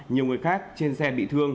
nhiều người khác trên xe bị